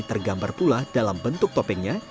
tergambar pula dalam bentuk topengnya